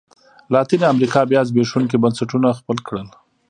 لاتینې امریکا بیا زبېښونکي بنسټونه خپل کړل.